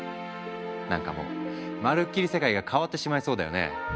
何かもうまるっきり世界が変わってしまいそうだよね。